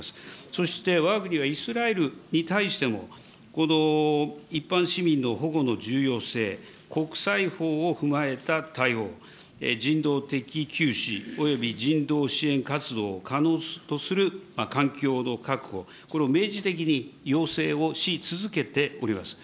そしてわが国はイスラエルに対しても、この一般市民の保護の重要性、国際法を踏まえた対応、人道的、および人道支援活動を可能とする環境の確保、これを明示的に要請をし続けております。